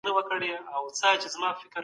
آيا د ژوند د ښه والي لپاره پانګونه اړينه ده؟